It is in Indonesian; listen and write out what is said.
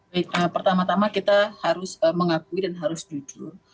baik pertama tama kita harus mengakui dan harus jujur